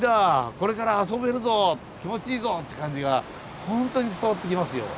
これから遊べるぞ気持ちいいぞって感じがホントに伝わってきますよ。